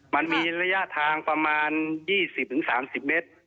มันมีระยะทางประมาณ๒๐๓๐เมตร